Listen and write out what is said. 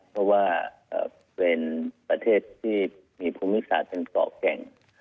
เพราะว่าเป็นประเทศที่มีภูมิศาสตร์เป็นเกาะแก่ง